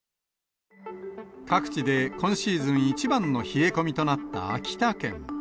各地で今シーズン一番の冷え込みとなった秋田県。